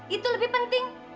itu lebih penting